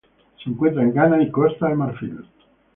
Se encuentra en Ghana y Costa de Marfil.